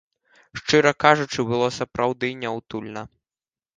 Шчыра кажучы, было сапраўды няўтульна.